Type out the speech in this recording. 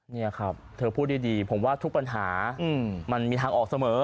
นี่ครับเธอพูดดีผมว่าทุกปัญหามันมีทางออกเสมอ